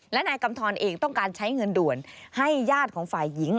และนายกำทรเองต้องการใช้เงินด่วนให้ญาติของฝ่ายหญิง